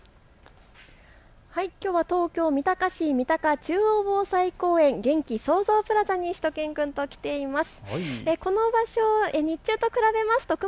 きょうは東京三鷹市三鷹中央防災公園元気創造プラザにしゅと犬くんと来ています。